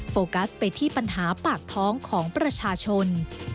โฟกัสไปที่ปัญหาปากท้องของประชาชน